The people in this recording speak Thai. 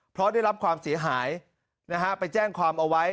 เพราะได้รับความเสียหายนะฮะไปแจ้งความเอาไว้